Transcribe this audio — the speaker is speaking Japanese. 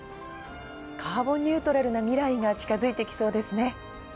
カーボンニュートラルな未来が近づいて来そうですね。